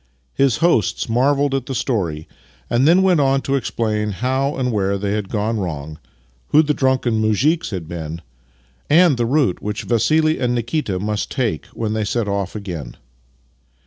His hosts marvelled at the story, and then went on to explain how and where they had gone wrong, who the drunken muzhiks had been, and tlie route which Vassili and Nikita must take when they set off again.